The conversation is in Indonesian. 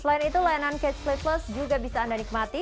selain itu layanan catch play plus juga bisa anda nikmati